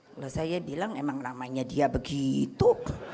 kalau saya bilang emang namanya dia begitu